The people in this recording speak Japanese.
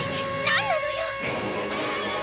何なのよ！